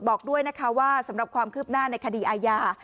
บอกด้วยนะคะว่าสำหรับความคืบหน้าในคดีอาญา